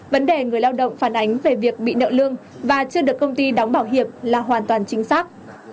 vấn đề người lao động phản ánh về việc bị nợ lương và chưa được công ty đóng bảo hiểm là hoàn toàn chính xác